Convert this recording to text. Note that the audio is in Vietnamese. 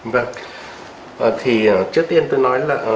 vâng thì trước tiên tôi nói là